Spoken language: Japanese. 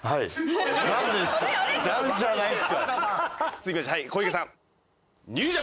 続きまして小池さん。